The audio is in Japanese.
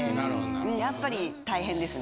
やっぱり大変ですね。